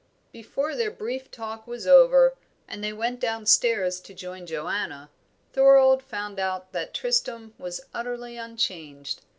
Before their brief talk was over, and they went downstairs to join Joanna, Thorold found out that Tristram was utterly unchanged.